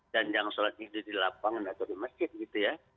dan jangan sholat itu di lapangan atau di masjid gitu ya